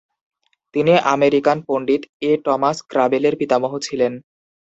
তিনি আমেরিকান পণ্ডিত A. Thomas ক্রাবেলের পিতামহ ছিলেন।